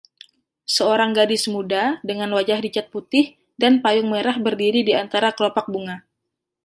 Seorang gadis muda dengan wajah dicat putih dan payung merah berdiri di antara kelopak bunga.